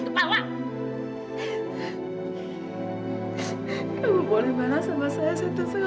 sekarang manggung aku